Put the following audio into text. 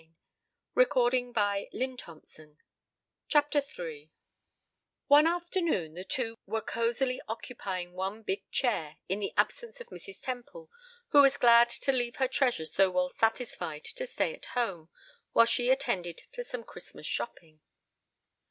CHAPTER III One afternoon the two were cosily occupying one big chair, in the absence of Mrs. Temple, who was glad to leave her treasure so well satisfied to stay at home, while she attended to some Christmas shopping.